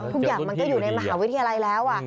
ทุกอย่างมันก็อยู่ในมหาวิทยาลัยแล้ว